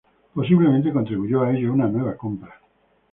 Posiblemente contribuyó a ello una nueva compra.